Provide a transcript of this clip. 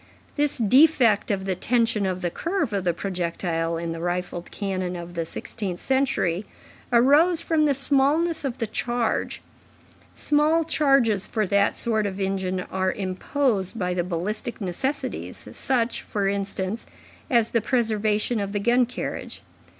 This defect of the tension of the curve of the projectile in the rifled cannon of the sixteenth century arose from the smallness of the charge; small charges for that sort of engine are imposed by the ballistic necessities, such, for instance, as the preservation of the gun carriage.